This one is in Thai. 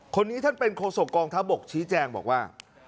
คนนี้ท่านเป็นโคศกองทัพบกชี้แจงบอกว่า